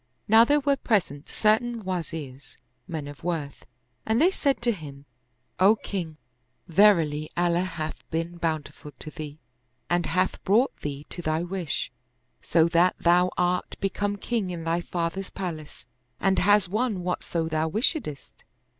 Now there were present certain Wazirs, men of worth, and they said to him, "O king, verily Allah hath' been bountiful to thee and hath brought thee to thy wish, so that thou art become king in thy father's palace and hast won whatso thou wishedst.